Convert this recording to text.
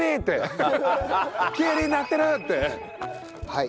はい。